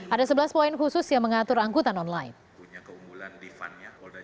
ada sebelas poin khusus yang mengatur angkutan online